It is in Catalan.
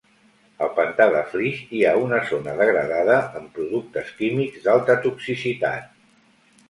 Al Pantà de Flix hi ha una zona degradada amb productes químics d'alta toxicitat.